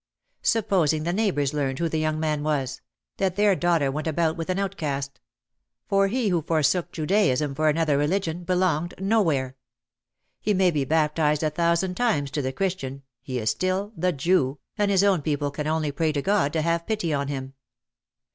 Supposing the neighbours learned who the young man was; that their daughter went about with an outcast ! For he who forsook Judaism for another religion belonged nowhere. He may be bap tised a thousand times to the Christian he is still "The Jew" and his own people can only pray to God to have pity on him.